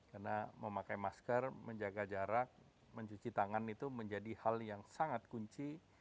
karena memakai masker menjaga jarak mencuci tangan itu menjadi hal yang sangat kunci